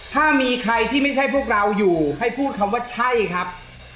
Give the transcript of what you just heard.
ถ้ามีใครที่ไม่ใช่พวกเราอยู่ให้พูดคำว่าใช่ครับ